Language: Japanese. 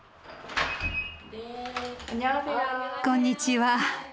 こんにちは。